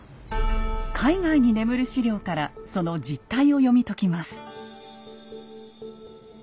海外に眠る史料からその実態を読み解きます。